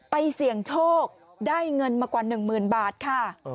เสี่ยงโชคได้เงินมากว่า๑๐๐๐บาทค่ะ